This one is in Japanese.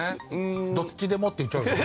どっちでもって言っちゃうよね。